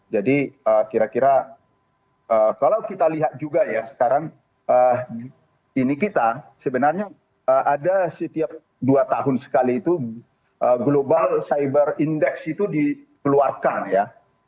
jadi kira kira kalau kita lihat juga ya sekarang ini kita sebenarnya ada setiap dua tahun sekali itu global cyber index itu dikeluarkan ya